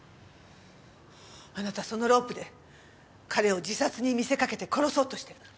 あなたそのロープで彼を自殺に見せかけて殺そうとしてる。